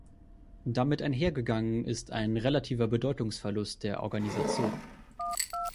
Damit einhergegangen ist ein relativer Bedeutungsverlust der Organisation.